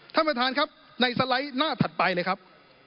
ท่านประธานครับในสไลด์หน้าถัดไปเลยครับ